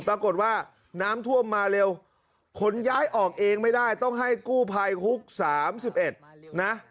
ปรากฏว่าน้ำท่วมมาเร็วคนย้ายออกเองไม่ได้ต้องให้กู้พลายฮุกสามสิบเอ็ดนะ